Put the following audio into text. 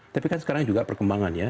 tapi kan sekarang juga perkembangan ya